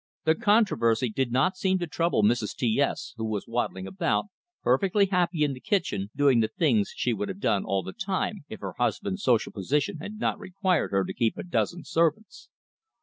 The controversy did not seem to trouble Mrs. T S, who was waddling about, perfectly happy in the kitchen doing the things she would have done all the time, if her husband's social position had not required her to keep a dozen servants.